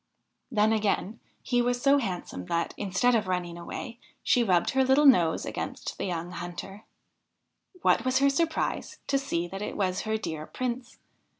Then again, he was so handsome, that, instead of running away, she rubbed her little nose against the young hunter. \Vhat was her surprise to see that it was her dear Prince